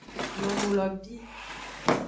Nyonu lo bi.